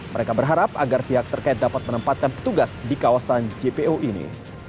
mereka berharap agar pihak terkait dapat menempatkan petugas di kawasan jpo ini